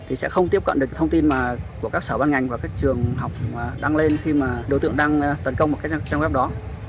thì sẽ không tiếp cận được thông tin của các sở văn ngành và các trường học đăng lên khi mà đối tượng đang tấn công vào các trang web đó